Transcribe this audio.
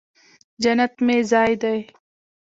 جنت مې ځای دې